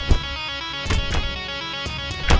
ya udah bang